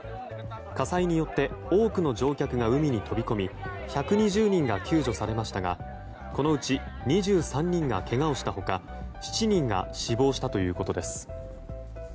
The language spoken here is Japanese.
火災によって多くの乗客が海に飛び込み１２０人が救助されましたがこのうち２３人がけがをした他７人が死亡したということです。